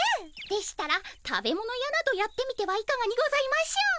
でしたら食べ物屋などやってみてはいかがにございましょう？